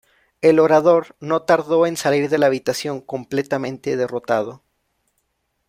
El orador no tardó en salir de la habitación completamente derrotado.